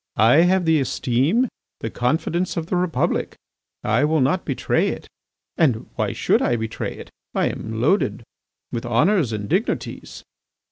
I have the esteem, the confidence of the Republic. I will not betray it. And why should I betray it? I am loaded honours and dignities."